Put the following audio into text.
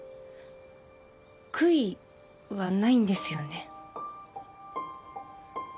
悔いはないんですよね？